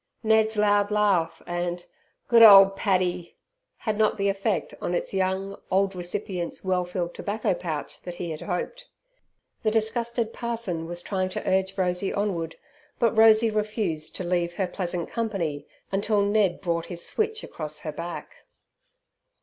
Ned's loud laugh and "Good old Paddy" had not the effect on its young old recipient's well filled tobacco pouch that he had hoped. The disgusted parson was trying to urge Rosey onward, but Rosey refused to have her pleasant company till Ned brought his switch across her back.